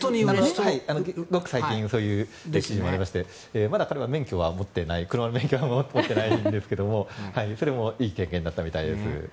ごく最近そういう記事もありましてまだ彼は車の免許は持っていないんですけれどもそれもいい経験になったみたいです。